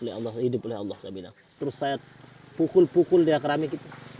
oleh allah hidup oleh allah saya bilang terus saya pukul pukul dia keramik